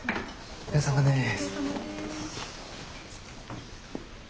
お疲れさまです。